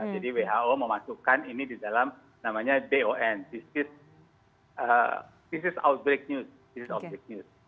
jadi who memasukkan ini di dalam namanya bon disease outbreak news